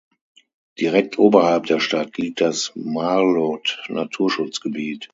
Direkt oberhalb der Stadt liegt das Marloth-Naturschutzgebiet.